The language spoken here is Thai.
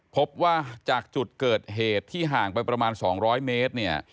พบว่าจากจุดเกิดเหตุที่ห่างไปประมาณ๒๐๐เมตรเนี่ย